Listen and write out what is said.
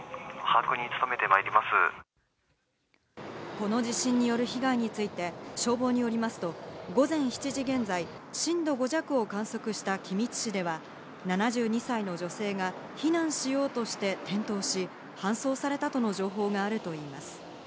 この地震による被害について消防によりますと午前７時現在、震度５弱を観測した君津市では、７２歳の女性が避難しようとして転倒し、搬送されたとの情報があるといいます。